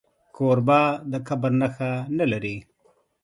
کوربه د کبر نښه نه لري.